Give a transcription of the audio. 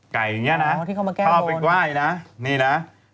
ไก่อย่างนี้นะเขาเอาไปไว้นะ